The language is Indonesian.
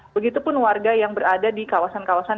begitupun warga yang berada di kawasan kawasan